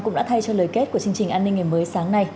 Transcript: cũng đã thay cho lời kết của chương trình an ninh ngày mới sáng nay